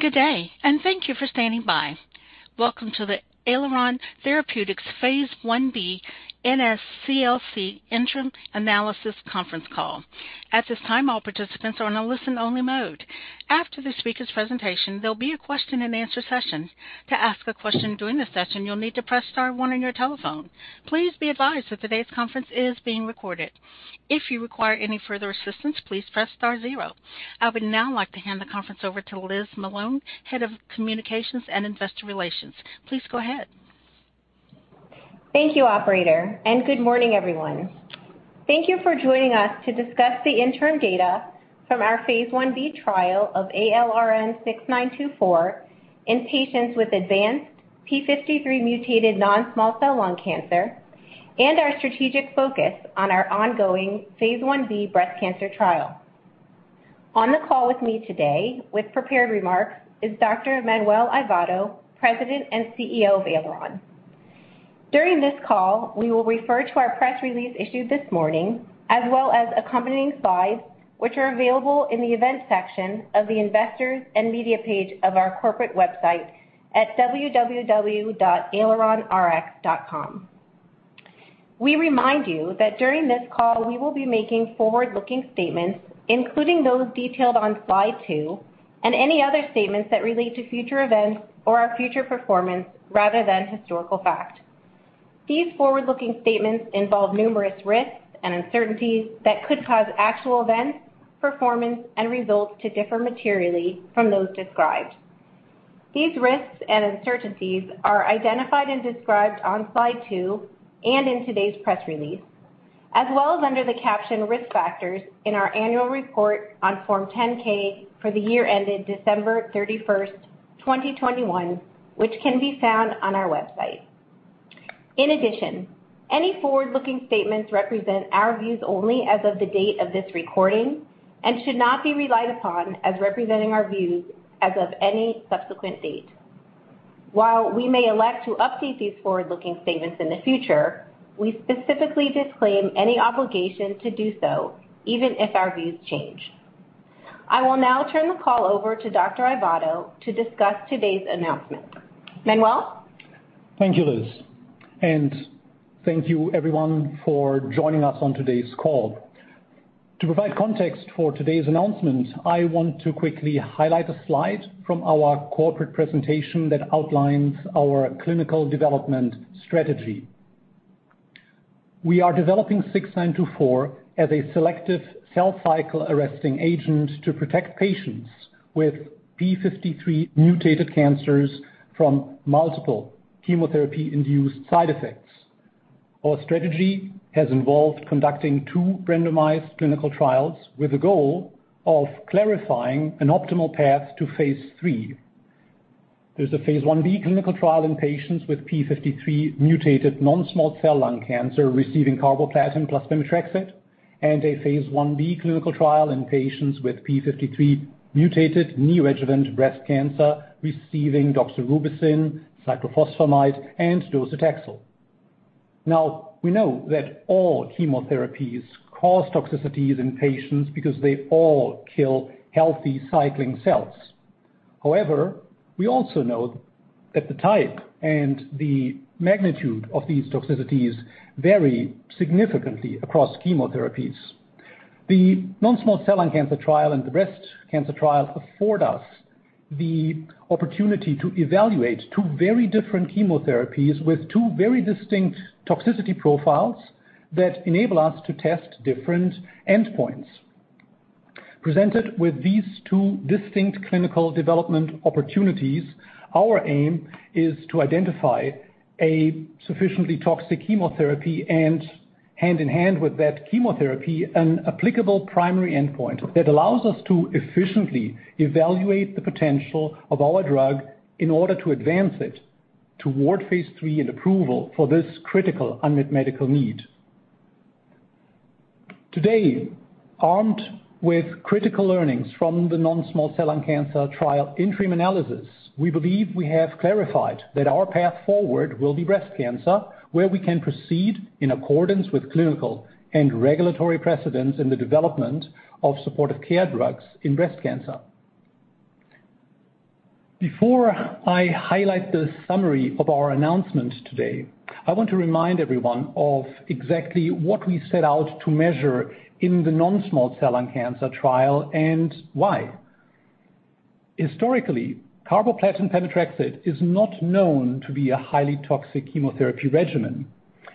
Good day, and thank you for standing by. Welcome to the Aileron Therapeutics phase I-B NSCLC Interim Analysis conference call. At this time, all participants are on a listen-only mode. After the speaker's presentation, there'll be a question-and-answer session. To ask a question during the session, you'll need to press star one on your telephone. Please be advised that today's conference is being recorded. If you require any further assistance, please press star zero. I would now like to hand the conference over to Liz Melone, Head of Communications and Investor Relations. Please go ahead. Thank you operator, and good morning, everyone. Thank you for joining us to discuss the interim data from our phase I-B trial of ALRN-6924 in patients with advanced p53 mutated non-small cell lung cancer and our strategic focus on our ongoing phase I-B breast cancer trial. On the call with me today with prepared remarks is Dr. Manuel Aivado, President and CEO of Aileron. During this call, we will refer to our press release issued this morning, as well as accompanying slides, which are available in the events section of the investors and media page of our corporate website at www.aileronrx.com. We remind you that during this call, we will be making forward-looking statements, including those detailed on slide two and any other statements that relate to future events or our future performance rather than historical fact. These forward-looking statements involve numerous risks and uncertainties that could cause actual events, performance, and results to differ materially from those described. These risks and uncertainties are identified and described on slide two and in today's press release, as well as under the caption Risk Factors in our Annual Report on Form 10-K for the year ended December 31st, 2021, which can be found on our website. In addition, any forward-looking statements represent our views only as of the date of this recording and should not be relied upon as representing our views as of any subsequent date. While we may elect to update these forward-looking statements in the future, we specifically disclaim any obligation to do so even if our views change. I will now turn the call over to Dr. Aivado to discuss today's announcement. Manuel. Thank you, Liz, and thank you everyone for joining us on today's call. To provide context for today's announcement, I want to quickly highlight a slide from our corporate presentation that outlines our clinical development strategy. We are developing ALRN-6924 as a selective cell cycle arresting agent to protect patients with p53 mutated cancers from multiple chemotherapy-induced side effects. Our strategy has involved conducting two randomized clinical trials with the goal of clarifying an optimal path to phase III. There's a phase I-B clinical trial in patients with p53 mutated non-small cell lung cancer receiving carboplatin plus pemetrexed, and a phase I-B clinical trial in patients with p53 mutated neoadjuvant breast cancer receiving doxorubicin, cyclophosphamide, and docetaxel. Now, we know that all chemotherapies cause toxicities in patients because they all kill healthy cycling cells. However, we also know that the type and the magnitude of these toxicities vary significantly across chemotherapies. The non-small cell lung cancer trial and the breast cancer trial afford us the opportunity to evaluate two very different chemotherapies with two very distinct toxicity profiles that enable us to test different endpoints. Presented with these two distinct clinical development opportunities, our aim is to identify a sufficiently toxic chemotherapy and hand in hand with that chemotherapy, an applicable primary endpoint that allows us to efficiently evaluate the potential of our drug in order to advance it toward phase III and approval for this critical unmet medical need. Today, armed with critical learnings from the non-small cell lung cancer trial interim analysis, we believe we have clarified that our path forward will be breast cancer, where we can proceed in accordance with clinical and regulatory precedents in the development of supportive care drugs in breast cancer. Before I highlight the summary of our announcement today, I want to remind everyone of exactly what we set out to measure in the non-small cell lung cancer trial and why. Historically, carboplatin pemetrexed is not known to be a highly toxic chemotherapy regimen.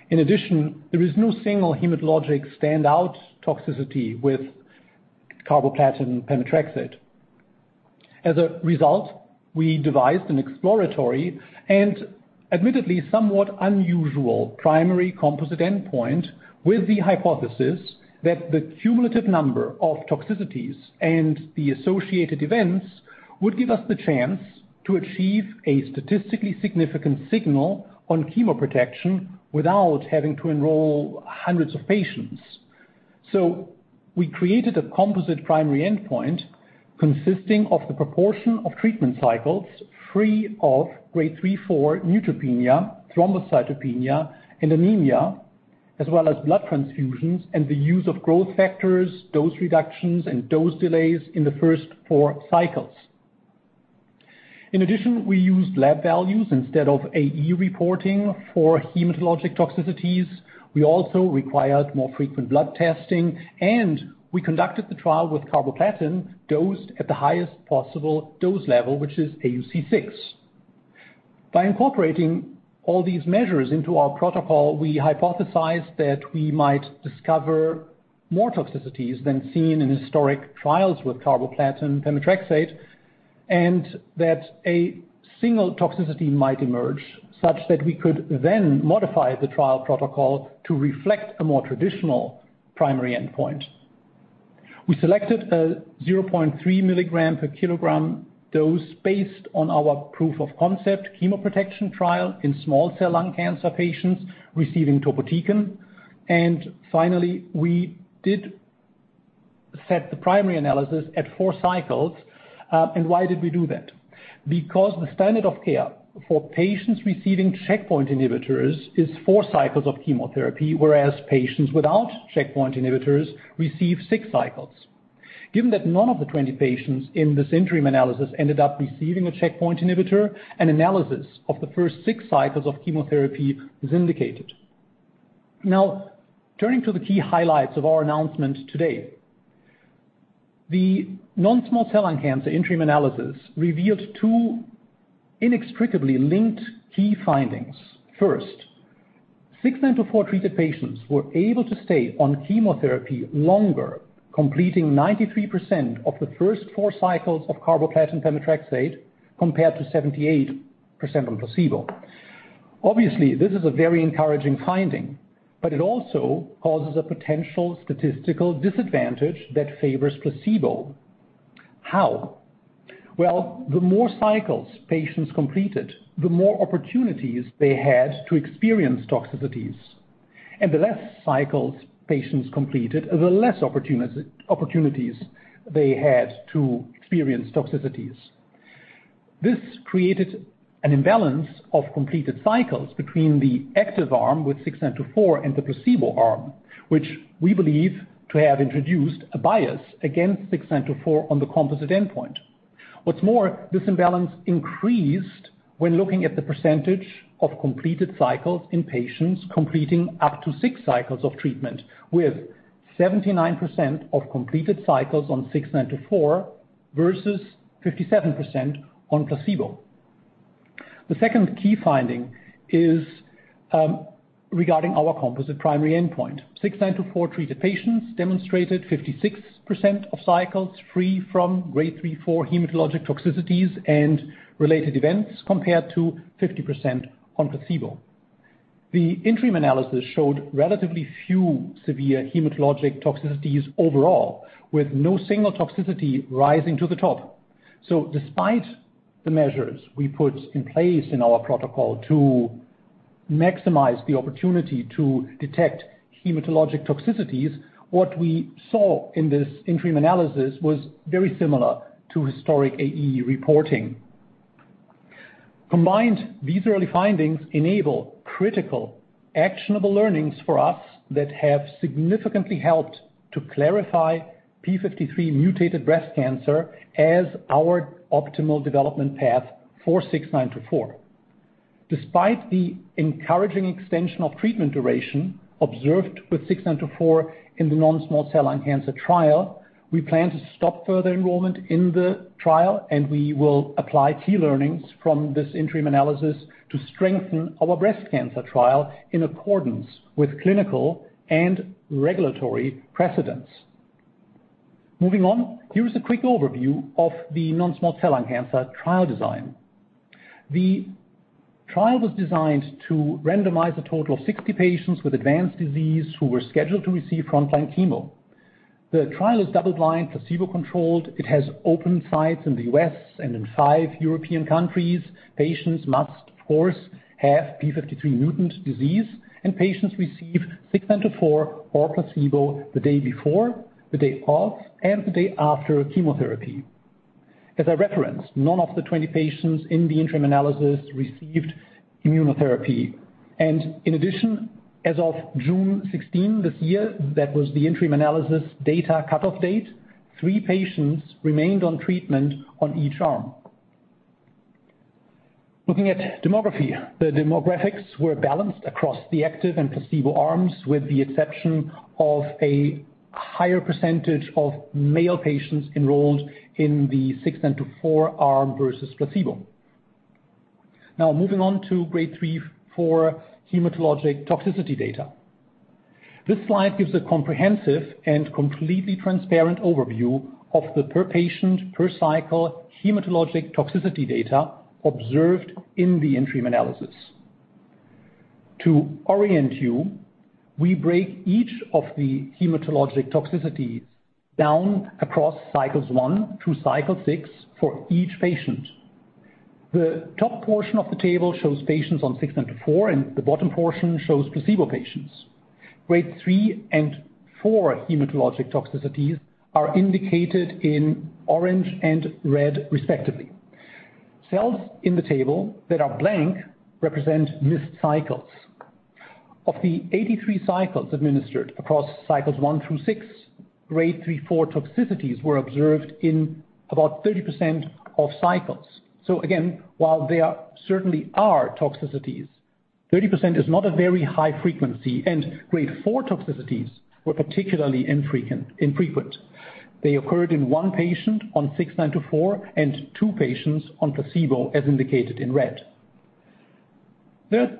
In addition, there is no single hematologic standout toxicity with carboplatin pemetrexed. As a result, we devised an exploratory and admittedly somewhat unusual primary composite endpoint with the hypothesis that the cumulative number of toxicities and the associated events would give us the chance to achieve a statistically significant signal on chemo protection without having to enroll hundreds of patients. We created a composite primary endpoint consisting of the proportion of treatment cycles free of Grade 3/4 neutropenia, thrombocytopenia, and anemia, as well as blood transfusions and the use of growth factors, dose reductions, and dose delays in the first four cycles. In addition, we used lab values instead of AE reporting for hematologic toxicities. We also required more frequent blood testing, and we conducted the trial with carboplatin dosed at the highest possible dose level, which is AUC six. By incorporating all these measures into our protocol, we hypothesized that we might discover more toxicities than seen in historic trials with carboplatin pemetrexed, and that a single toxicity might emerge such that we could then modify the trial protocol to reflect a more traditional primary endpoint. We selected a 0.3 milligram per kilogram dose based on our proof of concept chemo protection trial in small cell lung cancer patients receiving topotecan. Finally, we did set the primary analysis at four cycles. Why did we do that? Because the standard of care for patients receiving checkpoint inhibitors is four cycles of chemotherapy, whereas patients without checkpoint inhibitors receive six cycles. Given that none of the 20 patients in this interim analysis ended up receiving a checkpoint inhibitor, an analysis of the first six cycles of chemotherapy was indicated. Now, turning to the key highlights of our announcement today. The non-small cell lung cancer interim analysis revealed two inextricably linked key findings. First, ALRN-6924 treated patients were able to stay on chemotherapy longer, completing 93% of the first four cycles of carboplatin pemetrexed, compared to 78% on placebo. Obviously, this is a very encouraging finding, but it also causes a potential statistical disadvantage that favors placebo. How? Well, the more cycles patients completed, the more opportunities they had to experience toxicities. The less cycles patients completed, the less opportunities they had to experience toxicities. This created an imbalance of completed cycles between the active arm with ALRN-6924 and the placebo arm, which we believe to have introduced a bias against ALRN-6924 on the composite endpoint. What's more, this imbalance increased when looking at the percentage of completed cycles in patients completing up to six cycles of treatment, with 79% of completed cycles on ALRN-6924 versus 57% on placebo. The second key finding is regarding our composite primary endpoint. ALRN-6924 treated patients demonstrated 56% of cycles free from Grade 3/4 hematologic toxicities and related events, compared to 50% on placebo. The interim analysis showed relatively few severe hematologic toxicities overall, with no single toxicity rising to the top. Despite the measures we put in place in our protocol to maximize the opportunity to detect hematologic toxicities, what we saw in this interim analysis was very similar to historic AE reporting. Combined, these early findings enable critical, actionable learnings for us that have significantly helped to clarify p53-mutated breast cancer as our optimal development path for ALRN-6924. Despite the encouraging extension of treatment duration observed with ALRN-6924 in the non-small cell lung cancer trial, we plan to stop further enrollment in the trial, and we will apply key learnings from this interim analysis to strengthen our breast cancer trial in accordance with clinical and regulatory precedents. Moving on, here is a quick overview of the non-small cell lung cancer trial design. The trial was designed to randomize a total of 60 patients with advanced disease who were scheduled to receive frontline chemo. The trial is double-blind, placebo-controlled. It has open sites in the U.S. and in five European countries. Patients must, of course, have p53 mutant disease, and patients receive ALRN-6924 or placebo the day before, the day of, and the day after chemotherapy. As I referenced, none of the 20 patients in the interim analysis received immunotherapy. In addition, as of June 16 this year, that was the interim analysis data cut-off date, three patients remained on treatment on each arm. Looking at demographics. The demographics were balanced across the active and placebo arms, with the exception of a higher percentage of male patients enrolled in the ALRN-6924 arm versus placebo. Now moving on to Grade 3/4 hematologic toxicity data. This slide gives a comprehensive and completely transparent overview of the per patient, per cycle hematologic toxicity data observed in the interim analysis. To orient you, we break each of the hematologic toxicities down across cycles one through cycle six for each patient. The top portion of the table shows patients on ALRN-6924, and the bottom portion shows placebo patients. Grade 3/4 hematologic toxicities are indicated in orange and red, respectively. Cells in the table that are blank represent missed cycles. Of the 83 cycles administered across cycles one through six, Grade 3/4 toxicities were observed in about 30% of cycles. Again, while there certainly are toxicities, 30% is not a very high frequency, and Grade 4 toxicities were particularly infrequent. They occurred in one patient on ALRN-6924, and two patients on placebo, as indicated in red. There are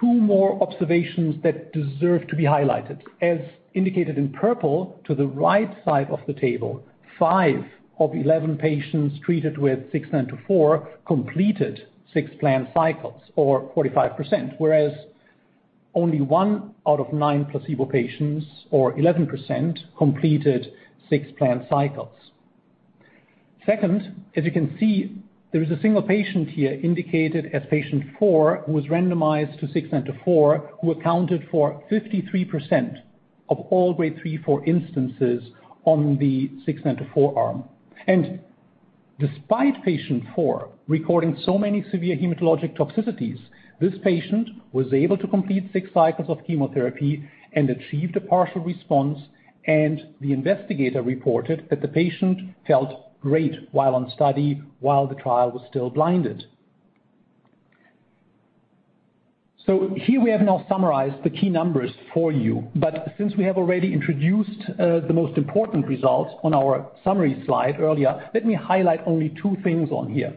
two more observations that deserve to be highlighted. As indicated in purple to the right side of the table, five of 11 patients treated with ALRN-6924 completed six planned cycles or 45%, whereas only one out of nine placebo patients, or 11%, completed six planned cycles. Second, as you can see, there is a single patient here indicated as patient four, who was randomized to ALRN-6924, who accounted for 53% of all Grade 3/4 instances on the ALRN-6924. Despite patient four recording so many severe hematologic toxicities, this patient was able to complete six cycles of chemotherapy and achieved a partial response, and the investigator reported that the patient felt great while on study while the trial was still blinded. Here we have now summarized the key numbers for you. Since we have already introduced the most important results on our summary slide earlier, let me highlight only two things on here.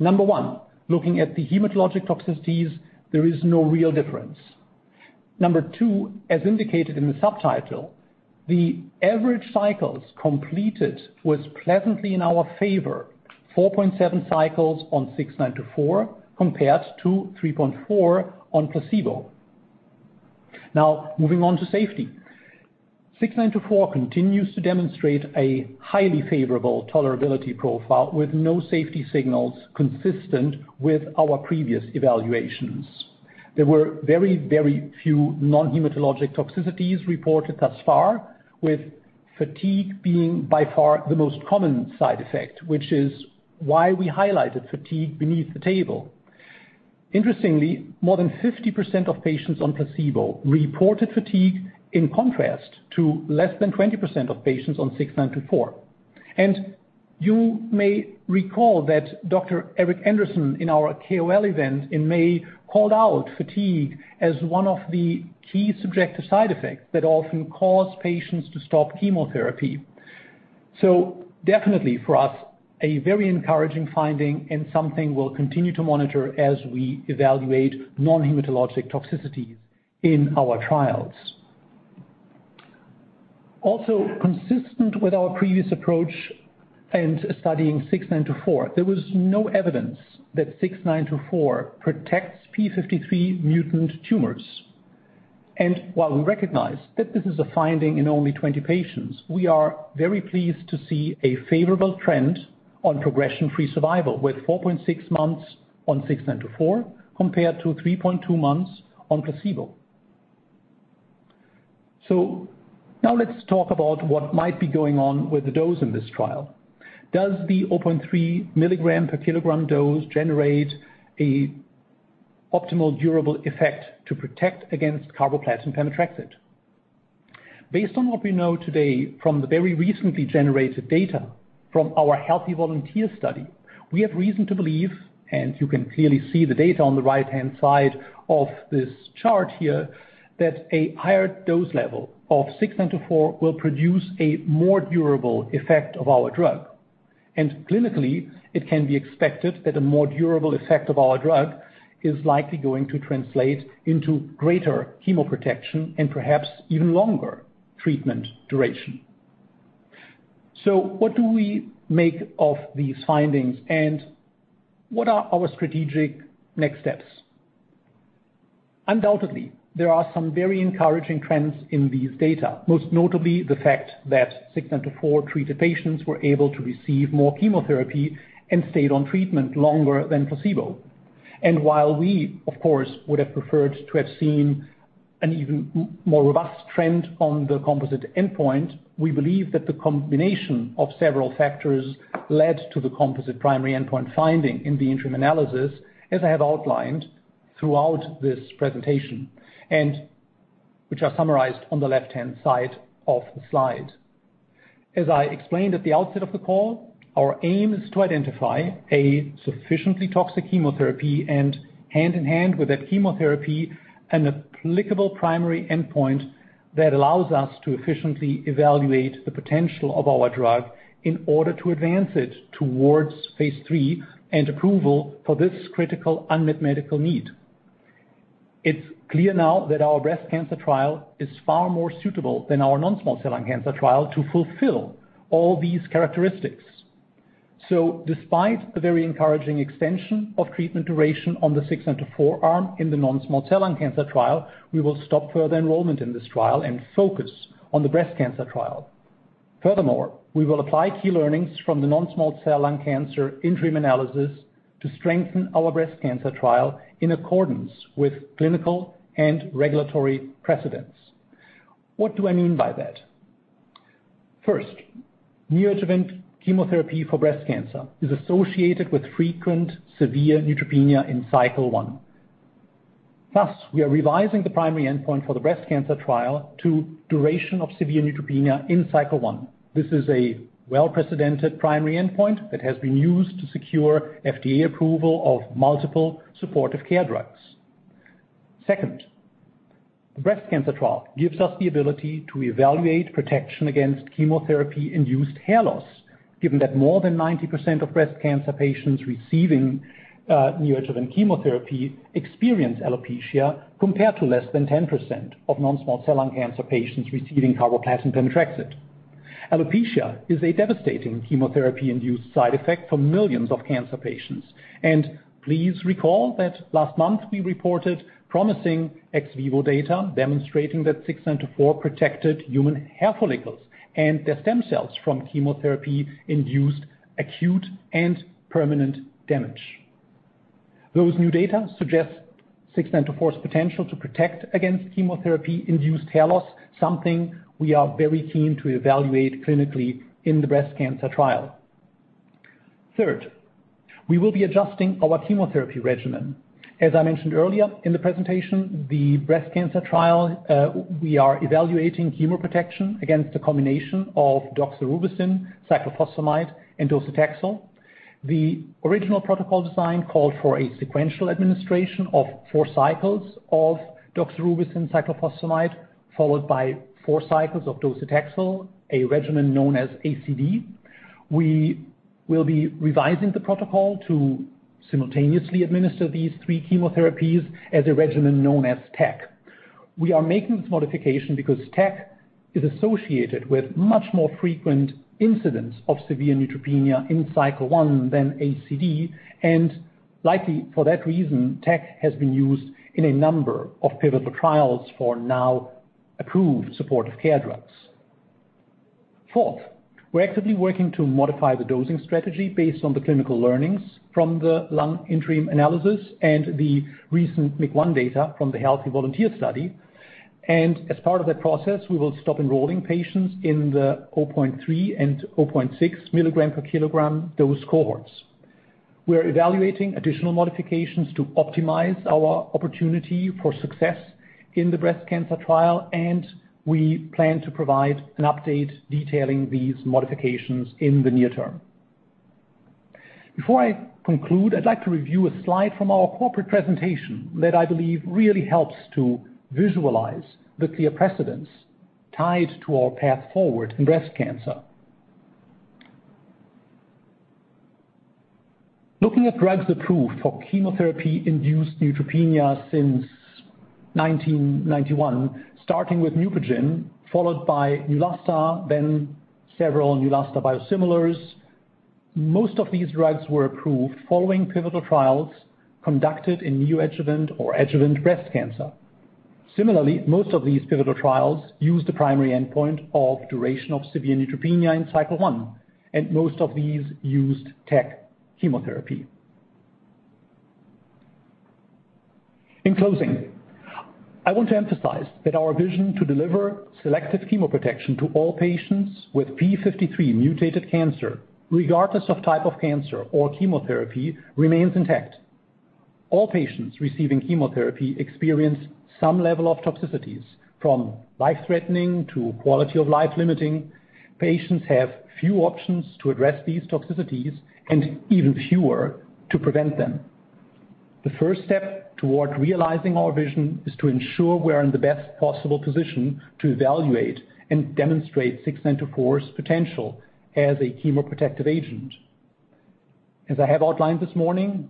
Number one, looking at the hematologic toxicities, there is no real difference. Number two, as indicated in the subtitle, the average cycles completed was pleasantly in our favor, 4.7 cycles on ALRN-6924 compared to 3.4 on placebo. Now, moving on to safety. ALRN-6924 continues to demonstrate a highly favorable tolerability profile with no safety signals consistent with our previous evaluations. There were very, very few non-hematologic toxicities reported thus far, with fatigue being by far the most common side effect, which is why we highlighted fatigue beneath the table. Interestingly, more than 50% of patients on placebo reported fatigue, in contrast to less than 20% of patients on ALRN-6924. You may recall that Dr. Eric Anderson in our KOL event in May called out fatigue as one of the key subjective side effects that often cause patients to stop chemotherapy. Definitely for us, a very encouraging finding and something we'll continue to monitor as we evaluate non-hematologic toxicities in our trials. Also, consistent with our previous approach and studying ALRN-6924, there was no evidence that ALRN-6924 protects p53 mutant tumors. While we recognize that this is a finding in only 20 patients, we are very pleased to see a favorable trend on progression-free survival with 4.6 months on ALRN-6924 compared to 3.2 months on placebo. Now let's talk about what might be going on with the dose in this trial. Does the 0.3 milligram per kilogram dose generate a optimal durable effect to protect against carboplatin pemetrexed? Based on what we know today from the very recently generated data from our healthy volunteer study, we have reason to believe, and you can clearly see the data on the right-hand side of this chart here, that a higher dose level of ALRN-6924 will produce a more durable effect of our drug. Clinically, it can be expected that a more durable effect of our drug is likely going to translate into greater chemoprotection and perhaps even longer treatment duration. What do we make of these findings, and what are our strategic next steps? Undoubtedly, there are some very encouraging trends in these data, most notably the fact that ALRN-6924 treated patients were able to receive more chemotherapy and stayed on treatment longer than placebo. While we, of course, would have preferred to have seen an even more robust trend on the composite endpoint, we believe that the combination of several factors led to the composite primary endpoint finding in the interim analysis, as I have outlined throughout this presentation, and which are summarized on the left-hand side of the slide. As I explained at the outset of the call, our aim is to identify a sufficiently toxic chemotherapy and hand-in-hand with that chemotherapy, an applicable primary endpoint that allows us to efficiently evaluate the potential of our drug in order to advance it towards phase III and approval for this critical unmet medical need. It's clear now that our breast cancer trial is far more suitable than our non-small cell lung cancer trial to fulfill all these characteristics. Despite the very encouraging extension of treatment duration on the ALRN-6924 arm in the non-small cell lung cancer trial, we will stop further enrollment in this trial and focus on the breast cancer trial. Furthermore, we will apply key learnings from the non-small cell lung cancer interim analysis to strengthen our breast cancer trial in accordance with clinical and regulatory precedents. What do I mean by that? First, neoadjuvant chemotherapy for breast cancer is associated with frequent severe neutropenia in cycle one. Thus, we are revising the primary endpoint for the breast cancer trial to duration of severe neutropenia in cycle one. This is a well-precedented primary endpoint that has been used to secure FDA approval of multiple supportive care drugs. Second, the breast cancer trial gives us the ability to evaluate protection against chemotherapy-induced hair loss, given that more than 90% of breast cancer patients receiving neoadjuvant chemotherapy experience alopecia, compared to less than 10% of non-small cell lung cancer patients receiving carboplatin pemetrexed. Alopecia is a devastating chemotherapy-induced side effect for millions of cancer patients. Please recall that last month we reported promising ex vivo data demonstrating that 604 protected human hair follicles and their stem cells from chemotherapy-induced acute and permanent damage. Those new data suggest ALRN-6924's potential to protect against chemotherapy-induced hair loss, something we are very keen to evaluate clinically in the breast cancer trial. Third, we will be adjusting our chemotherapy regimen. As I mentioned earlier in the presentation, the breast cancer trial, we are evaluating chemoprotection against the combination of doxorubicin, cyclophosphamide, and docetaxel. The original protocol design called for a sequential administration of four cycles of doxorubicin, cyclophosphamide, followed by four cycles of docetaxel, a regimen known as ACD. We will be revising the protocol to simultaneously administer these three chemotherapies as a regimen known as TAC. We are making this modification because TAC is associated with much more frequent incidents of severe neutropenia in cycle one than ACD, and likely for that reason, TAC has been used in a number of pivotal trials for now approved supportive care drugs. Fourth, we're actively working to modify the dosing strategy based on the clinical learnings from the lung interim analysis and the recent MC1 data from the healthy volunteer study. As part of that process, we will stop enrolling patients in the 0.3 and 0.6 milligram per kilogram dose cohorts. We are evaluating additional modifications to optimize our opportunity for success in the breast cancer trial, and we plan to provide an update detailing these modifications in the near term. Before I conclude, I'd like to review a slide from our corporate presentation that I believe really helps to visualize the clear precedence tied to our path forward in breast cancer. Looking at drugs approved for chemotherapy-induced neutropenia since 1991, starting with Neupogen, followed by Neulasta, then several Neulasta biosimilars. Most of these drugs were approved following pivotal trials conducted in neoadjuvant or adjuvant breast cancer. Similarly, most of these pivotal trials used a primary endpoint of duration of severe neutropenia in cycle one, and most of these used TAC chemotherapy. In closing, I want to emphasize that our vision to deliver selective chemo protection to all patients with p53 mutated cancer, regardless of type of cancer or chemotherapy, remains intact. All patients receiving chemotherapy experience some level of toxicities, from life-threatening to quality of life limiting. Patients have few options to address these toxicities and even fewer to prevent them. The first step toward realizing our vision is to ensure we're in the best possible position to evaluate and demonstrate ALRN-6924's potential as a chemoprotective agent. As I have outlined this morning,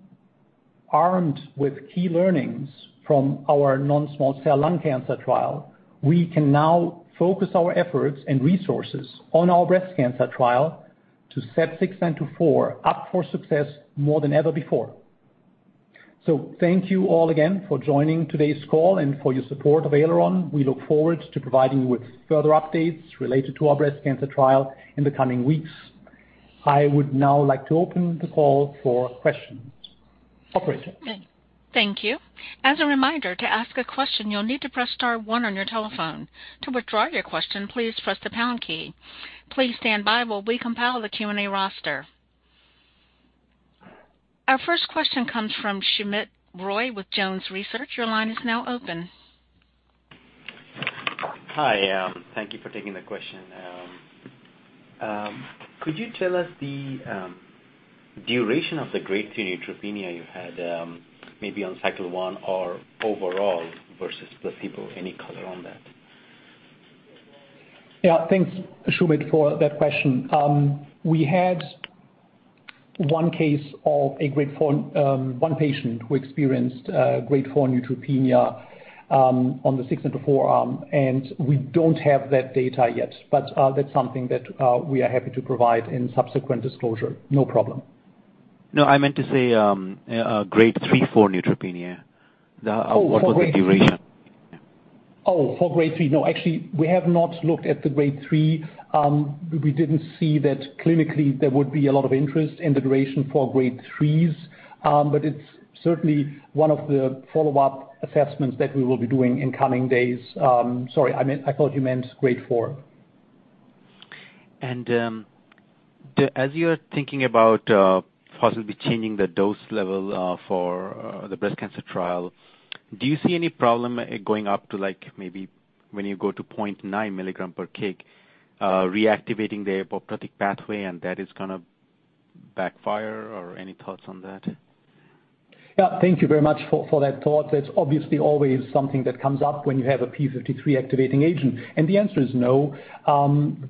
armed with key learnings from our non-small cell lung cancer trial, we can now focus our efforts and resources on our breast cancer trial to set ALRN-6924 up for success more than ever before. Thank you all again for joining today's call and for your support of Aileron Therapeutics. We look forward to providing you with further updates related to our breast cancer trial in the coming weeks. I would now like to open the call for questions. Operator. Thank you. As a reminder, to ask a question, you'll need to press star one on your telephone. To withdraw your question, please press the pound key. Please stand by while we compile the Q&A roster. Our first question comes from Soumit Roy with Jones Research. Your line is now open. Hi. Thank you for taking the question. Could you tell us the duration of the Grade 3 neutropenia you had, maybe on cycle one or overall versus placebo? Any color on that? Yeah, thanks, Soumit, for that question. We had one case of a Grade 4, one patient who experienced Grade 4 neutropenia on the ALRN-6924, and we don't have that data yet. That's something that we are happy to provide in subsequent disclosure. No problem. No, I meant to say, Grade 3 for neutropenia. Oh, for Grade 3. What was the duration? Oh, for Grade 3. No, actually, we have not looked at the Grade 3. We didn't see that clinically there would be a lot of interest in the duration for Grade 3s. But it's certainly one of the follow-up assessments that we will be doing in coming days. Sorry, I meant, I thought you meant Grade 4. Then as you are thinking about possibly changing the dose level for the breast cancer trial, do you see any problem going up to like maybe when you go to 0.9 milligram per kg reactivating the apoptotic pathway, and that is gonna backfire, or any thoughts on that? Thank you very much for that thought. That's obviously always something that comes up when you have a p53 activating agent. The answer is no.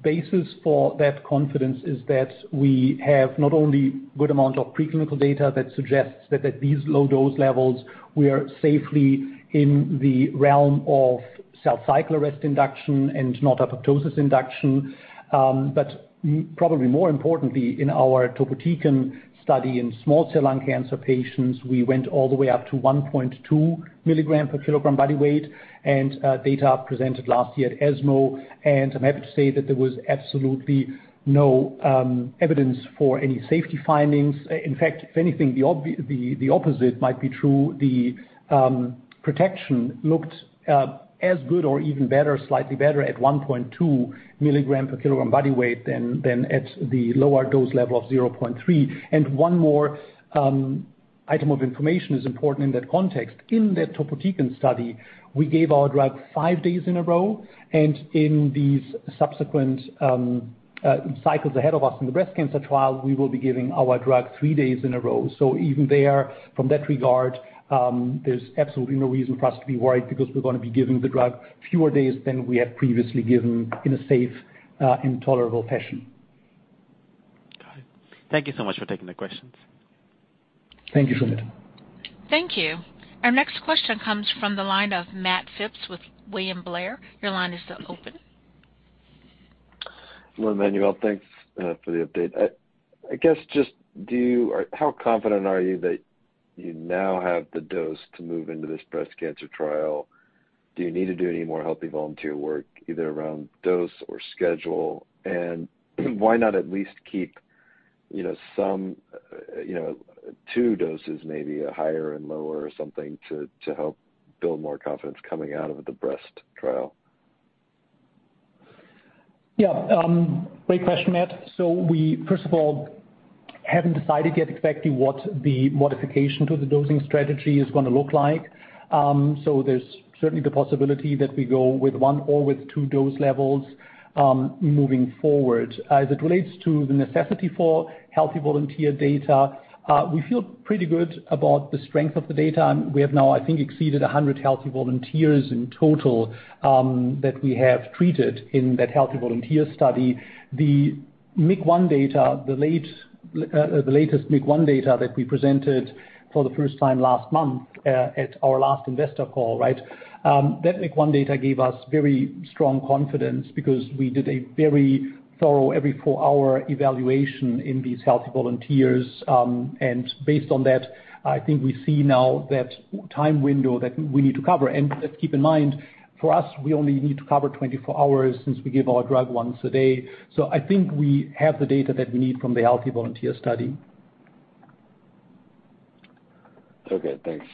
Basis for that confidence is that we have not only good amount of preclinical data that suggests that at these low dose levels, we are safely in the realm of cell cycle arrest induction and not apoptosis induction. Probably more importantly, in our topotecan study in small cell lung cancer patients, we went all the way up to 1.2 mg/kg body weight, and data presented last year at ESMO, and I'm happy to say that there was absolutely no evidence for any safety findings. In fact, if anything, the opposite might be true. The protection looked as good or even better, slightly better at 1.2 milligram per kilogram body weight than at the lower dose level of 0.3. One more item of information is important in that context. In that topotecan study, we gave our drug five days in a row, and in these subsequent cycles ahead of us in the breast cancer trial, we will be giving our drug three days in a row. Even there, in that regard, there's absolutely no reason for us to be worried because we're gonna be giving the drug fewer days than we have previously given in a safe and tolerable fashion. Got it. Thank you so much for taking the questions. Thank you. Thank you. Our next question comes from the line of Matt Phipps with William Blair. Your line is now open. Hello, Manuel. Thanks for the update. I guess, just how confident are you that you now have the dose to move into this breast cancer trial? Do you need to do any more healthy volunteer work either around dose or schedule? Why not at least keep, you know, some, you know, two doses, maybe a higher and lower or something to help build more confidence coming out of the breast trial? Yeah. Great question, Matt. We, first of all, haven't decided yet exactly what the modification to the dosing strategy is gonna look like. There's certainly the possibility that we go with one or with two dose levels, moving forward. As it relates to the necessity for healthy volunteer data, we feel pretty good about the strength of the data. We have now, I think, exceeded 100 healthy volunteers in total, that we have treated in that healthy volunteer study. The MC1 data, the latest MC1 data that we presented for the first time last month, at our last investor call, right, that MC1 data gave us very strong confidence because we did a very thorough every four-hour evaluation in these healthy volunteers. Based on that, I think we see now that time window that we need to cover. Let's keep in mind, for us, we only need to cover 24 hours since we give our drug once a day. I think we have the data that we need from the healthy volunteer study. Okay, thanks.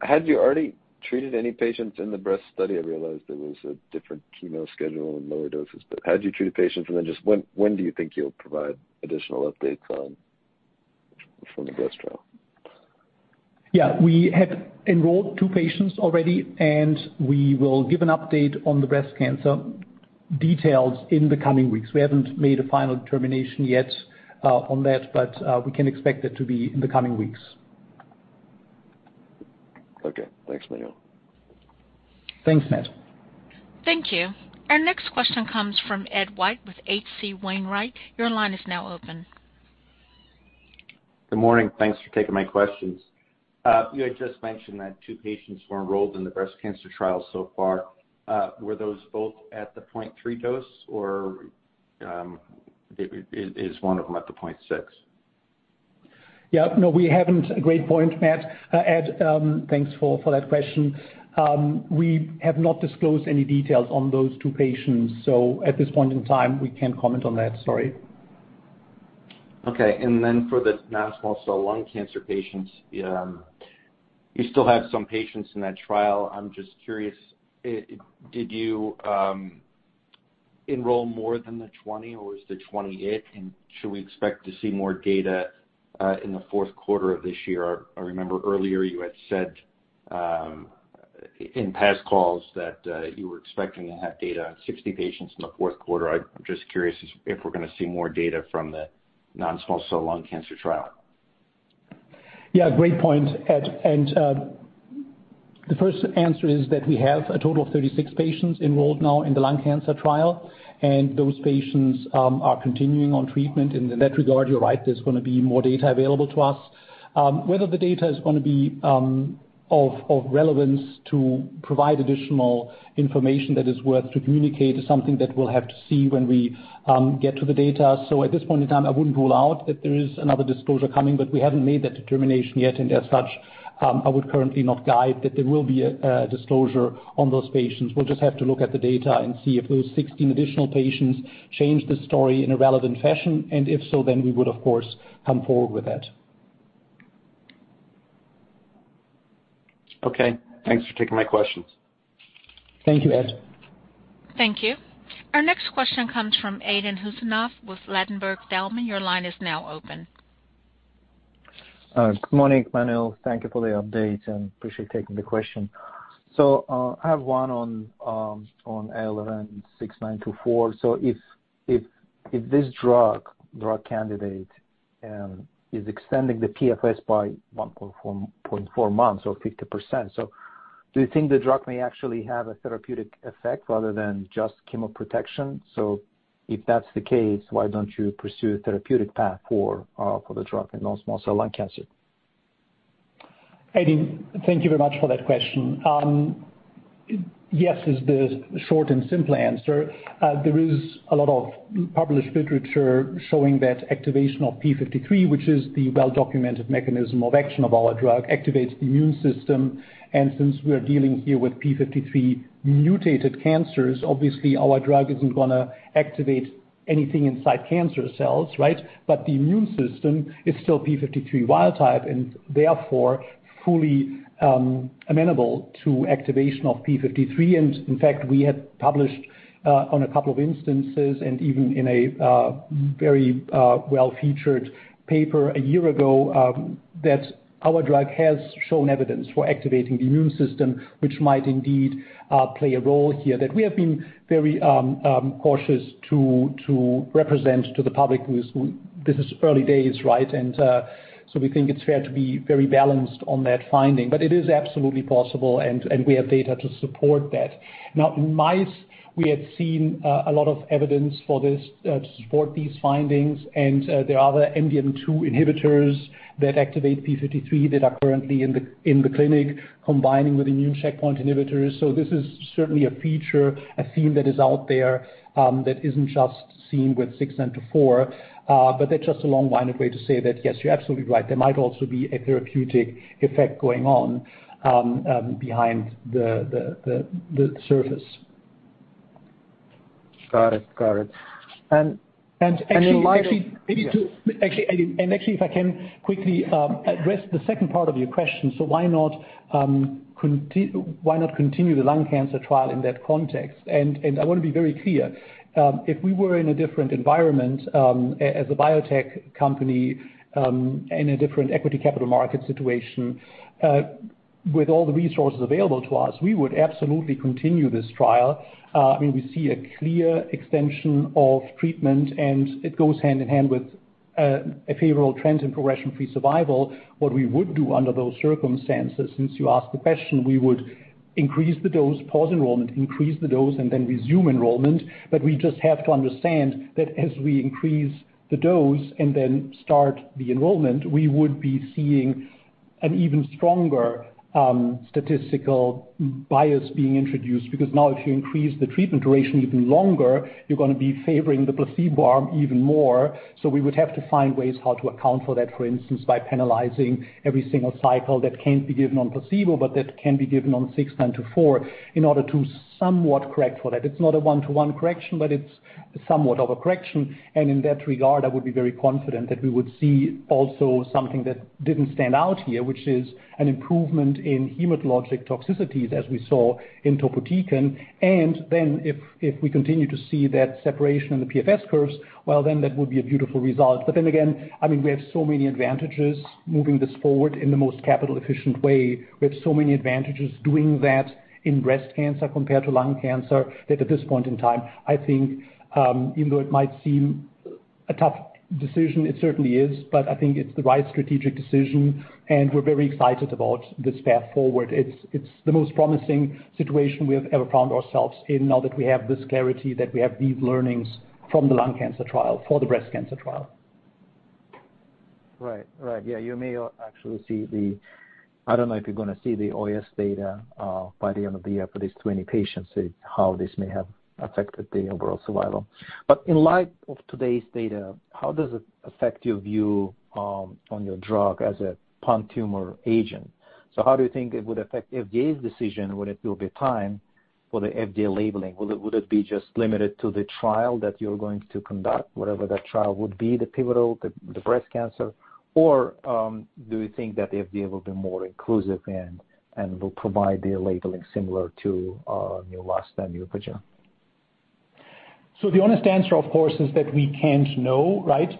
Have you already treated any patients in the breast study? I realized there was a different chemo schedule and lower doses. Have you treated patients, and then just when do you think you'll provide additional updates on, from the breast trial? Yeah. We have enrolled two patients already, and we will give an update on the breast cancer details in the coming weeks. We haven't made a final determination yet, on that, but, we can expect it to be in the coming weeks. Okay. Thanks, Manuel. Thanks, Matt. Thank you. Our next question comes from Ed White with H.C. Wainwright. Your line is now open. Good morning. Thanks for taking my questions. You had just mentioned that two patients were enrolled in the breast cancer trial so far. Were those both at the 0.3 dose, or is one of them at the 0.6? Yeah. No, we haven't. Great point, Matt, Ed. Thanks for that question. We have not disclosed any details on those two patients. At this point in time, we can't comment on that. Sorry. Okay. For the non-small cell lung cancer patients, you still have some patients in that trial. I'm just curious, did you enroll more than the 20, or was the 20 it? Should we expect to see more data in the fourth quarter of this year? I remember earlier you had said in past calls that you were expecting to have data on 60 patients in the fourth quarter. I'm just curious if we're gonna see more data from the non-small cell lung cancer trial. Yeah, great point, Ed. The first answer is that we have a total of 36 patients enrolled now in the lung cancer trial, and those patients are continuing on treatment. In that regard, you're right, there's gonna be more data available to us. Whether the data is gonna be of relevance to provide additional information that is worth to communicate is something that we'll have to see when we get to the data. At this point in time, I wouldn't rule out that there is another disclosure coming, but we haven't made that determination yet. As such, I would currently not guide that there will be a disclosure on those patients. We'll just have to look at the data and see if those 16 additional patients change the story in a relevant fashion, and if so, then we would, of course, come forward with that. Okay, thanks for taking my questions. Thank you, Ed. Thank you. Our next question comes from Aydin Huseynov with Ladenburg Thalmann. Your line is now open. Good morning, Manuel. Thank you for the update and appreciate taking the question. I have one on ALRN-6924. If this drug candidate is extending the PFS by 1.4 months or 50%, do you think the drug may actually have a therapeutic effect rather than just chemoprotection? If that's the case, why don't you pursue a therapeutic path for the drug in non-small cell lung cancer? Aydin, thank you very much for that question. Yes is the short and simple answer. There is a lot of published literature showing that activation of p53, which is the well-documented mechanism of action of our drug, activates the immune system. Since we are dealing here with p53 mutated cancers, obviously our drug isn't gonna activate anything inside cancer cells, right? The immune system is still p53 wild-type and therefore fully amenable to activation of p53. In fact, we had published on a couple of instances and even in a very well-featured paper a year ago that our drug has shown evidence for activating the immune system, which might indeed play a role here. We have been very cautious to represent to the public. This is early days, right? We think it's fair to be very balanced on that finding. It is absolutely possible and we have data to support that. Now in mice we have seen a lot of evidence for this to support these findings. There are other MDM2 inhibitors that activate p53 that are currently in the clinic combining with immune checkpoint inhibitors. This is certainly a feature, a theme that is out there that isn't just seen with ALRN-6924. That's just a long-winded way to say that, yes, you're absolutely right. There might also be a therapeutic effect going on behind the surface. Got it. Actually. In light of- Actually, Aydin, actually, if I can quickly address the second part of your question. Why not continue the lung cancer trial in that context? I want to be very clear. If we were in a different environment, as a biotech company, in a different equity capital market situation, with all the resources available to us, we would absolutely continue this trial. I mean, we see a clear extension of treatment, and it goes hand in hand with a favorable trend in progression-free survival. What we would do under those circumstances, since you asked the question, we would increase the dose, pause enrollment, increase the dose, and then resume enrollment. We just have to understand that as we increase the dose and then start the enrollment, we would be seeing an even stronger statistical bias being introduced, because now if you increase the treatment duration even longer, you're gonna be favoring the placebo arm even more. We would have to find ways how to account for that, for instance, by penalizing every single cycle that can't be given on placebo but that can be given on ALRN-6924 in order to somewhat correct for that. It's not a one-to-one correction, but it's somewhat of a correction. In that regard, I would be very confident that we would see also something that didn't stand out here, which is an improvement in hematologic toxicities as we saw in topotecan. If we continue to see that separation in the PFS curves, well, then that would be a beautiful result. Again, I mean, we have so many advantages moving this forward in the most capital efficient way. We have so many advantages doing that in breast cancer compared to lung cancer that at this point in time, I think, even though it might seem a tough decision, it certainly is, but I think it's the right strategic decision, and we're very excited about this path forward. It's the most promising situation we have ever found ourselves in now that we have this clarity, that we have these learnings from the lung cancer trial for the breast cancer trial. You may actually see the OS data by the end of the year for these 20 patients, how this may have affected the overall survival. In light of today's data, how does it affect your view on your drug as a pan-tumor agent? How do you think it would affect FDA's decision when it will be time for the FDA labeling? Would it be just limited to the trial that you're going to conduct, whatever that trial would be, the pivotal, the breast cancer? Do you think that the FDA will be more inclusive and will provide the labeling similar to Neulasta and Neupogen? The honest answer, of course, is that we can't know, right?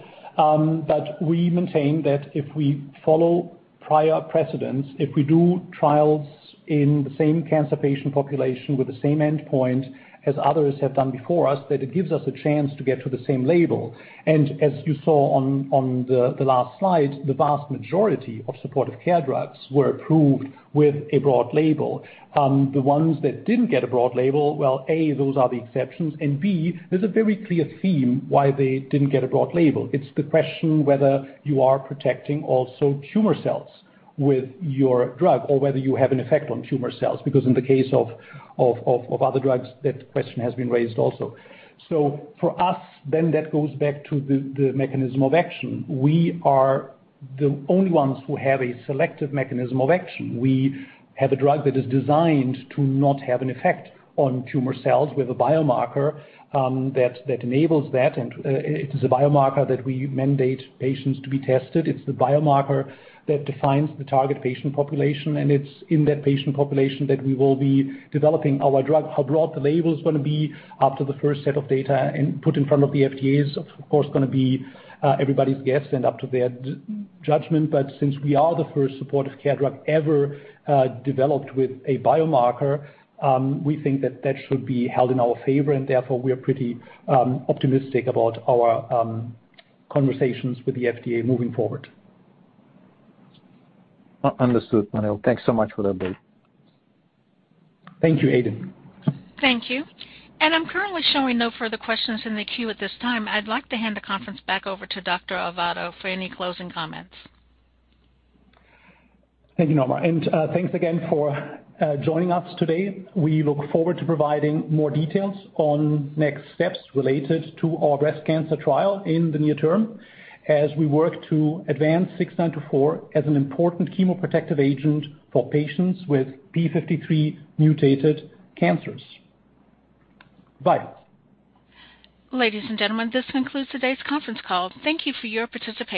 We maintain that if we follow prior precedents, if we do trials in the same cancer patient population with the same endpoint as others have done before us, that it gives us a chance to get to the same label. As you saw on the last slide, the vast majority of supportive care drugs were approved with a broad label. The ones that didn't get a broad label, well, A, those are the exceptions, and B, there's a very clear theme why they didn't get a broad label. It's the question whether you are protecting also tumor cells with your drug or whether you have an effect on tumor cells, because in the case of other drugs, that question has been raised also. For us that goes back to the mechanism of action. We are the only ones who have a selective mechanism of action. We have a drug that is designed to not have an effect on tumor cells. We have a biomarker that enables that, and it is a biomarker that we mandate patients to be tested. It's the biomarker that defines the target patient population, and it's in that patient population that we will be developing our drug. How broad the label's gonna be after the first set of data and put in front of the FDA is, of course, gonna be everybody's guess and up to their judgment. Since we are the first supportive care drug ever developed with a biomarker, we think that should be held in our favor, and therefore we are pretty optimistic about our conversations with the FDA moving forward. Understood, Manuel. Thanks so much for the update. Thank you, Aydin. Thank you. I'm currently showing no further questions in the queue at this time. I'd like to hand the conference back over to Dr. Aivado for any closing comments. Thank you, Norma. Thanks again for joining us today. We look forward to providing more details on next steps related to our breast cancer trial in the near term as we work to advance ALRN-6924 as an important chemoprotective agent for patients with p53 mutated cancers. Bye. Ladies and gentlemen, this concludes today's conference call. Thank you for your participation.